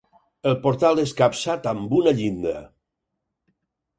El portal és capçat amb una llinda.